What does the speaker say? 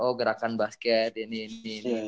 oh gerakan basket ini ini ini